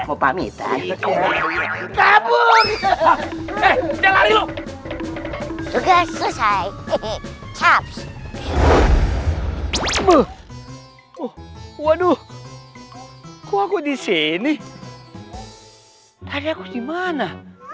waduh kok aku disini dari aku gimana